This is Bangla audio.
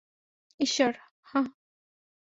ঈশ্বর, হাহ?